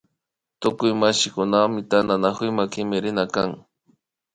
Tukuy mashikunami tantanakuyma kimirina kan